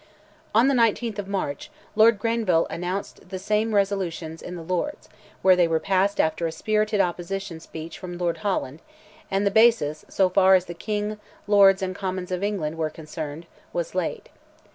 On the 19th of March, Lord Grenville introduced the same resolutions in the Lords, where they were passed after a spirited opposition speech from Lord Holland, and the basis, so far as the King, Lords, and Commons of England were concerned, was laid.